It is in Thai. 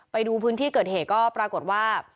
ไปดูพื้นที่เกิดเหตุก็ปรากฏว่า